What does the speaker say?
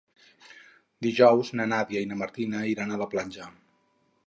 Dijous na Nàdia i na Martina iran a la platja.